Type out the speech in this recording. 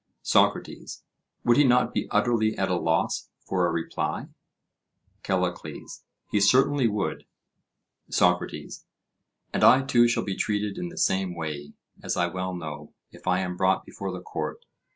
SOCRATES: Would he not be utterly at a loss for a reply? CALLICLES: He certainly would. SOCRATES: And I too shall be treated in the same way, as I well know, if I am brought before the court.